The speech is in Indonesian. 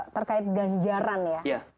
terkait ganjaran ya